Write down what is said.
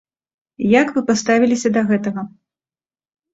Як вы паставіліся да гэтага?